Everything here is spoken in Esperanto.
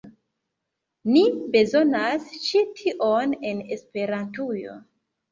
Ni bezonas ĉi tion en Esperantujo